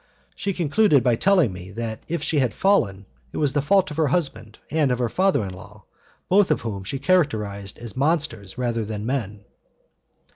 She concluded by telling me that if she had fallen it was the fault of her husband and of her father in law, both of whom she characterized as monsters rather than men.